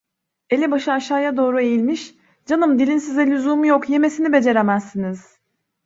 Elebaşı aşağıya doğru eğilmiş: "Canım, dilin size lüzumu yok! Yemesini beceremezsiniz!"